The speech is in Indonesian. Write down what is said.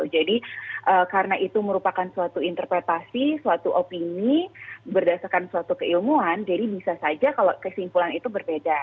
jadi karena itu merupakan suatu interpretasi suatu opini berdasarkan suatu keilmuan jadi bisa saja kalau kesimpulan itu berbeda